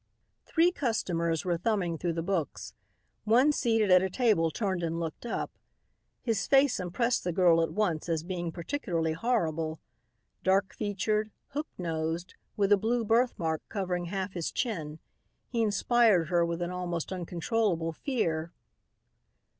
Three customers were thumbing through the books. One seated at a table turned and looked up. His face impressed the girl at once as being particularly horrible. Dark featured, hook nosed, with a blue birthmark covering half his chin, he inspired her with an almost uncontrollable fear.